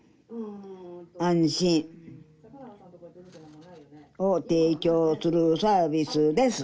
「安心を提供するサービスです」